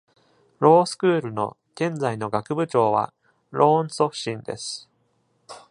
ロースクールの現在の学部長はローン・ソッシンです。